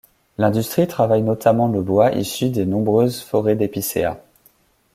L'industrie travaille notamment le bois issu des nombreuses forêts d'épicéas.